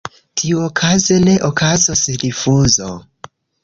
Tiuokaze ne okazos rifuzo.